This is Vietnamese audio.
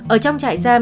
ở trong trại giam